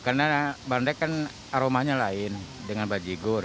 karena banderik kan aromanya lain dengan bajigur